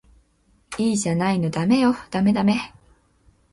いいじゃないのダメよダメダメ